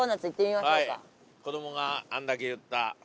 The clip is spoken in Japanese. はい子どもがあんだけ言った。